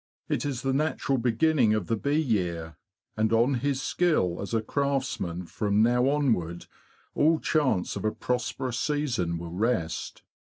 It is the natural beginning of the bee year, and on his skill as a craftsman from now onward all chance of a prosperous season will rest.